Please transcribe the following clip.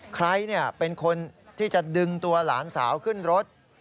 ใครเป็นคนที่จะดึงตัวหลานสาวขึ้นรถ